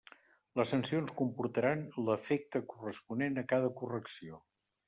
Les sancions comportaran l'efecte corresponent a cada correcció.